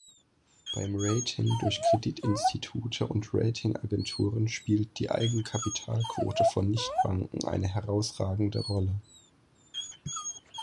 Beim Rating durch Kreditinstitute und Ratingagenturen spielt die Eigenkapitalquote von Nichtbanken eine herausragende Rolle.